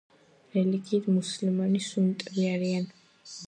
რელიგიით მუსლიმანი სუნიტები არიან.